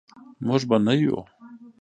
موږ به نه یو.